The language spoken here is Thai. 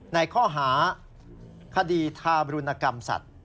ในข้อหาคดีทารุณกรรมสัตว์